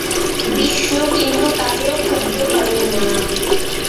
বিষ্ণু কিন্তু তাতেও ক্ষুব্ধ হলেন না।